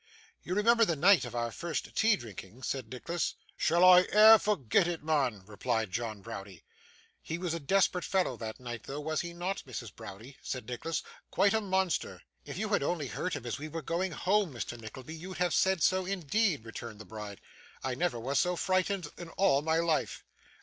'You remember the night of our first tea drinking?' said Nicholas. 'Shall I e'er forget it, mun?' replied John Browdie. 'He was a desperate fellow that night though, was he not, Mrs. Browdie?' said Nicholas. 'Quite a monster!' 'If you had only heard him as we were going home, Mr. Nickleby, you'd have said so indeed,' returned the bride. 'I never was so frightened in all my life.